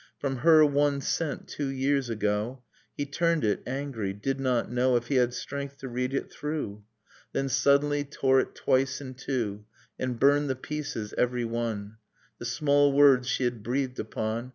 From her, one sent two years ago, — He turned it, angry : did not know If he had strength to read it through; Then suddenly tore it twice in two; And burned the pieces, every one, The small words she had breathed upon.